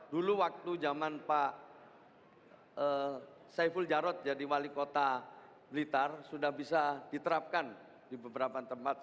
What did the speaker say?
dulu waktu zaman pak saiful jarod jadi wali kota blitar sudah bisa diterapkan di beberapa tempat